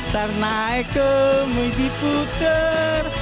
tar naik ke muidiputer